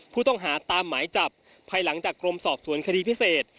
ผู้ต้องหาตามหมายจับภายหลังจากกรมสอบสวนคดีพิเศษ